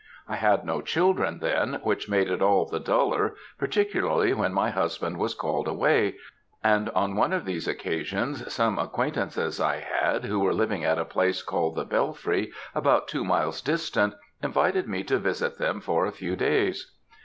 I had no children then, which made it all the duller, particularly when my husband was called away; and on one of these occasions, some acquaintances I had, who were living at a place called the Bellfry, about two miles distant, invited me to visit them for a few days.